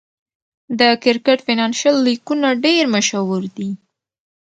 د کرکټ فینانشل لیګونه ډېر مشهور دي.